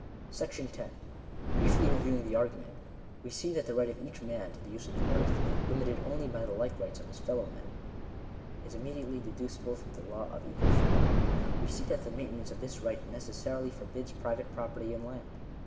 § 10. Briefly reviewing the argument, we see that the right of each man to the use of the earth, limited only by the like rights of his fellow men, is immediately deducible from the law of equal freedom. We see that the maintenance of this right necessarily forbids private property in land.